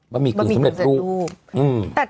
บะหมี่ขุนเสมืดรูปอือบะหมี่ขุนเสมืดรูป